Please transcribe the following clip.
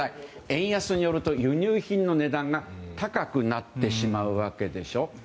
円安が続くと輸入品の値段が高くなってしまうわけでしょ。